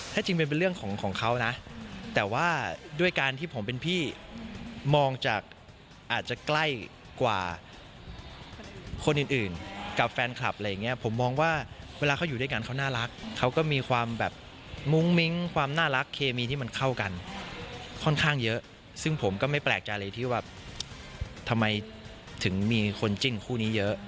ถ้าจริงมันเป็นเรื่องของของเขานะแต่ว่าด้วยการที่ผมเป็นพี่มองจากอาจจะใกล้กว่าคนอื่นกับแฟนคลับอะไรอย่างเงี้ยผมมองว่าเวลาเขาอยู่ด้วยกันเขาน่ารักเขาก็มีความแบบมุ้งมิ้งความน่ารักเคมีที่มันเข้ากันค่อนข้างเยอะซึ่งผมก็ไม่แปลกใจเลยที่แบบทำไมถึงมีคนจิ้นคู่นี้เยอะ